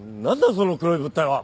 その黒い物体は。